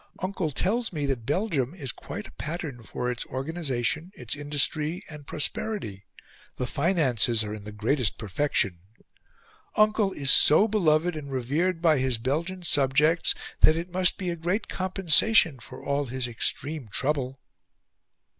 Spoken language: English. Uncle tells me that Belgium is quite a pattern for its organisation, its industry, and prosperity; the finances are in the greatest perfection. Uncle is so beloved and revered by his Belgian subjects, that it must be a great compensation for all his extreme trouble."